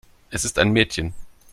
Es ist ein Mädchen.